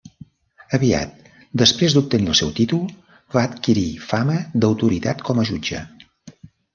Aviat després d'obtenir el seu títol, va adquirir fama d'autoritat com a jutge.